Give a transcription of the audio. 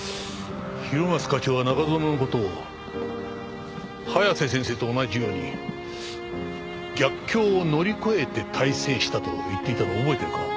広松課長が中園の事を「早瀬先生と同じように逆境を乗り越えて大成した」と言っていたのを覚えてるか？